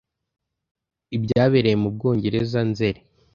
Ibyabereye mu Bwongereza Nzeri